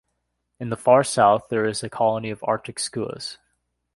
In the far south, there is a colony of Arctic skuas.